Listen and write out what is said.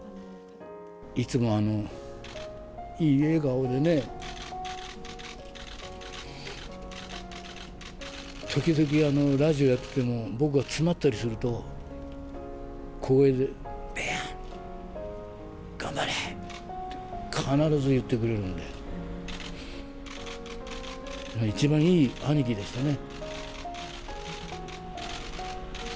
いつもいい笑顔でね、時々、ラジオやってても僕が詰まったりすると、小声で、ベーヤン、頑張れって必ず言ってくれるんで一番いい兄貴でしたね。